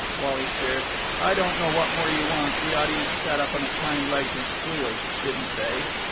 Wally stared. "I don't know what more you want. The audience sat up on its hind legs and squealed, didn't they?"